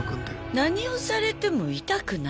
何をされても痛くない？